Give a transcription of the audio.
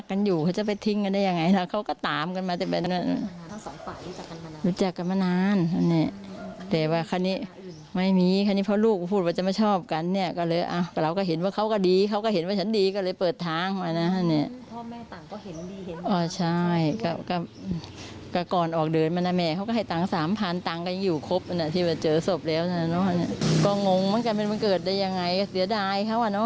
ก็งงมันจะเป็นวันเกิดได้ยังไงเสียดายเขาอ่ะเนอะ